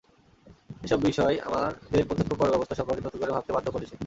এসব বিষয় আমাদের প্রত্যক্ষ কর-ব্যবস্থা সম্পর্কে নতুন করে ভাবতে বাধ্য করেছে।